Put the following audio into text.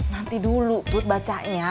nanti dulu tut bacanya